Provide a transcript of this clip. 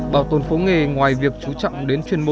bảo tồn phố nghề ngoài việc chú trọng đến chuyên môn